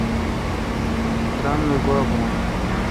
درام می گوا بھون۔